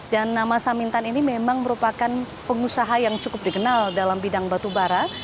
nama samintan ini memang merupakan pengusaha yang cukup dikenal dalam bidang batubara